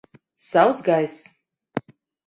Sauss gaiss.